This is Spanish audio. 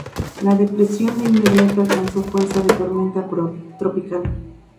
La depresión de inmediato alcanzó fuerza de tormenta tropical.